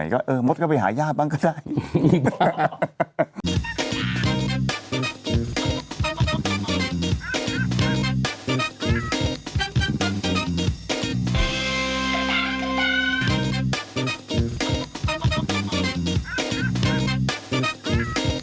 โปรดติดตามตอนต่อไป